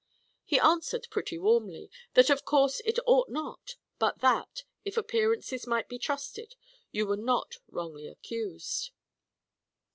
He answered pretty warmly, that of course it ought not; but that, if appearances might be trusted, you were not wrongly accused."